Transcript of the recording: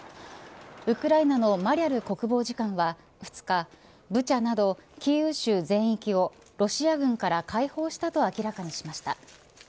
ウクライナのマリャル国防次官は２日ブチャなどキーウ州全域をロシア軍から解放したと明らかにしました。